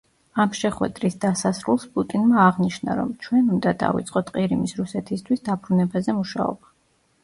ამ შეხვედრის დასასრულს პუტინმა აღნიშნა, რომ „ჩვენ უნდა დავიწყოთ ყირიმის რუსეთისთვის დაბრუნებაზე მუშაობა“.